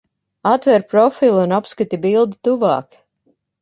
Atver profilu un apskati bildi tuvāk!